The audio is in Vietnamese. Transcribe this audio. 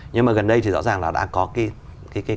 nhưng mà gần đây thì rõ ràng là đã có cái